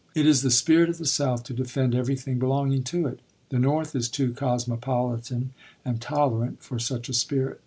It is the spirit of the South to defend everything belonging to it. The North is too cosmopolitan and tolerant for such a spirit.